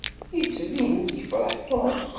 Yettbin-d yefṛeḥ Tom.